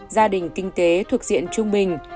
gia đình kinh tế thuộc diện trung bình